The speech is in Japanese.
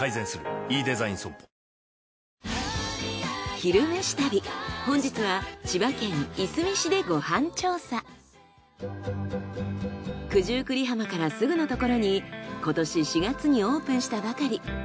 「昼めし旅」本日は九十九里浜からすぐのところに今年４月にオープンしたばかり。